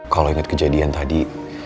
kalau inget kejadian tadi